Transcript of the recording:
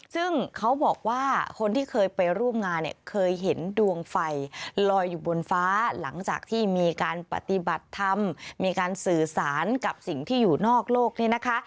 ซึ่งเขาบอกว่าคนที่เคยไปร่วมงานเนี่ยเคยเห็นดวงไฟลอยอยู่บนฟ้าหลังจากที่มีการปฏิบัติธรรมมีการสื่อสารกับสิ่งที่อยู่นอกโลกเนี่ยนะคะ